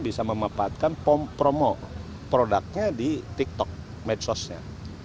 bisa memanfaatkan promo produknya di tiktok medsosnya